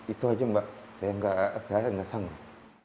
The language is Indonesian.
itu saja yang saya berharap tidak sanggup